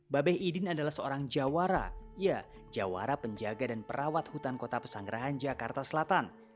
babeh idin adalah seorang jawara jawara penjaga dan perawat hutan kota pesanggerahan jakarta selatan